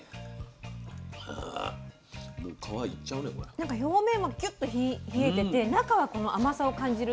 なんか表面はキュッと冷えてて中はこの甘さを感じる。